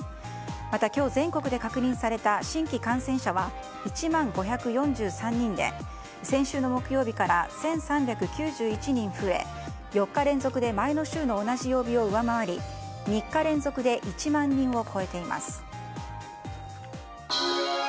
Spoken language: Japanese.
また、今日全国で確認された新規感染者は１万５４３人で先週の木曜日から１３９１人増え４日連続で前の週の同じ曜日を上回り３日連続で１万人を超えています。